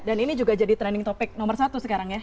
dan ini juga jadi trending topik nomor satu sekarang ya